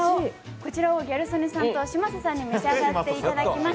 こちらをギャル曽根さんと嶋佐さんに召し上がっていただきます。